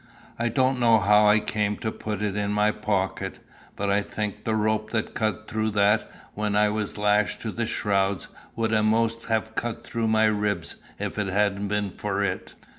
"I don't know how I came to put it in my pocket, but I think the rope that cut through that when I was lashed to the shrouds would a'most have cut through my ribs if it hadn't been for it."